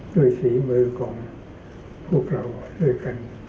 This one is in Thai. ด้วยศรีมือของพวกเราด้วยกัน